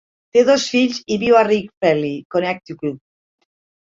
Té dos fills i viu a Ridgefield, Connecticut.